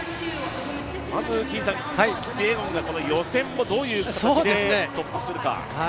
まずキピエゴンがこの予選をどういう形で突破するのか。